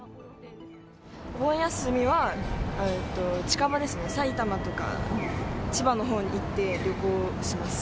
お盆休みは、近場ですね、埼玉とか千葉のほうに行って、旅行します。